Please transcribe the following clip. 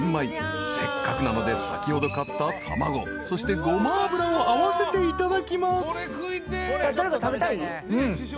［せっかくなので先ほど買った卵そしてごま油を合わせていただきます］